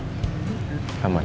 sampai jumpa lagi